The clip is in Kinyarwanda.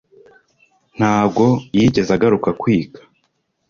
ntabwo yigeze agaruka kwiga